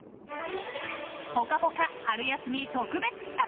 「ぽかぽか」春休み特別企画。